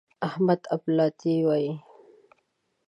احمد اپلاتي وايي.